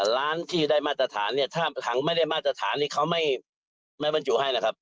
ร้านที่ได้มาตรฐานเนี่ยถ้าถังไม่ได้มาตรฐานนี่เขาไม่บรรจุให้นะครับ